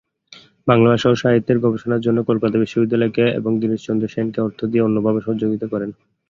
বাংলা ভাষা ও সাহিত্যের গবেষণার জন্য কলকাতা বিশ্ববিদ্যালয়কে এবং দীনেশচন্দ্র সেনকে অর্থ দিয়ে ও অন্যভাবে সহযোগিতা করেন।